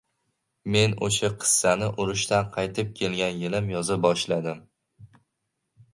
– Men o‘sha qissani urushdan qaytib kelgan yilim yoza boshladim.